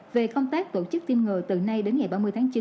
về công tác tổ chức tiêm ngừa từ nay đến ngày ba mươi tháng chín